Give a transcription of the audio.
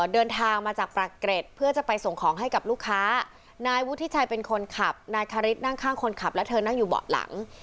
เดินทางมาจากปากเกร็ดเพื่อจะไปส่งของให้กับลูกค้านายวุฒิชัยเป็นคนขับนายคาริสนั่งข้างคนขับแล้วเธอนั่งอยู่เบาะหลัง